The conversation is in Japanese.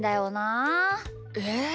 え。